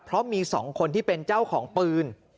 เพราะมี๒คนที่เป็นเจ้าของปืน